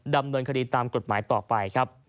ดำเนินคดีตามกฎหมายต่อไปครับ